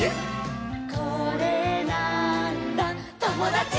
「これなーんだ『ともだち！』」